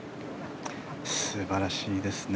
素晴らしいですね。